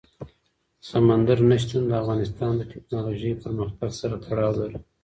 سمندر نه شتون د افغانستان د تکنالوژۍ پرمختګ سره تړاو لري.